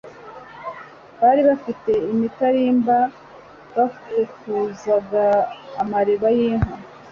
Bari bafite imitarimba bafukuzaga amariba y'inka